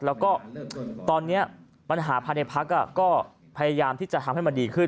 แล้วก็ตอนนี้ปัญหาภายในพักก็พยายามที่จะทำให้มันดีขึ้น